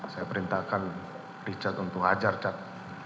saya perintahkan richard untuk hajar cat